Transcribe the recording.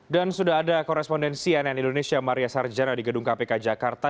dan sudah ada korespondensi nn indonesia maria sarjana di gedung kpk jakarta